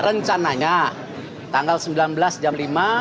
rencananya tanggal sembilan belas jam lima